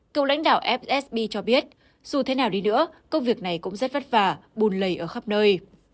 cựu lãnh đạo fsb cho biết dù thế nào đi nữa công việc này cũng rất vất vả bùn lầy ở khắp nơi